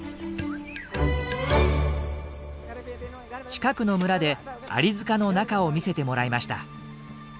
近くの村でアリ塚の中を見せてもらいました。